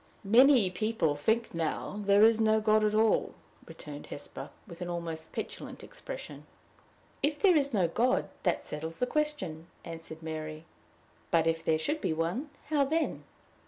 "Many people think now there is no God at all," returned Hesper, with an almost petulant expression. "If there is no God, that settles the question," answered Mary. "But, if there should be one, how then?"